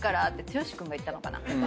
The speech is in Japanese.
剛君が言ったのかな？